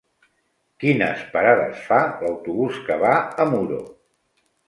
Quines parades fa l'autobús que va a Muro?